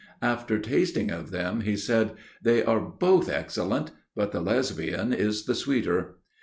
After tasting of them he said: "They are both excellent; but the Lesbian is the sweeter."